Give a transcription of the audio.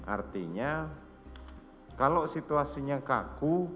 artinya kalau situasinya kaku